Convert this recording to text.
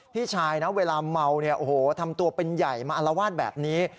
พี่ชายนะเวลาเมาเนี่ยโอ้โหทำตัวเป็นใหญ่มาอารวาสแบบนี้